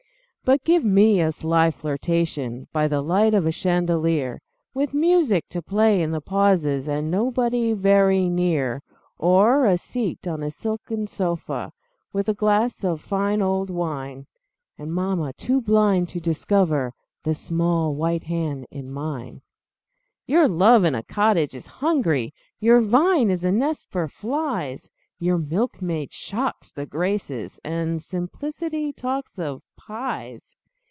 But give me a sly flirtation By the light of a chandelier With music to play in the pauses, And nobody very near; Or a seat on a silken sofa, With a glass of pure old wine, And mamma too blind to discover The small white hand in mine. Your love in a cottage is hungry, Your vine is a nest for flies Your milkmaid shocks the Graces, And simplicity talks of pies!